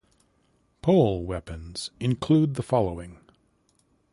Pole weapons include the following.